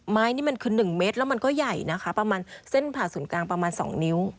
ไม้นี่มันคือ๑เมตรแล้วมันก็ใหญ่นะคะประมาณเส้นผ่าศูนย์กลางประมาณ๒นิ้ว